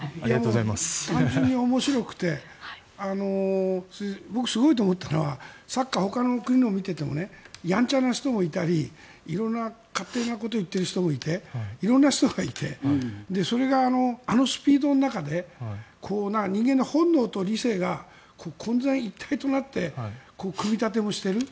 単純に面白くて僕、すごいと思ったのはサッカーほかの国のを見ていてもやんちゃな人もいたり、色んな勝手なことを言っている人もいて色んな人がいてそれがあのスピードの中で人間の本能と理性が混然一体となって組み立てもしている。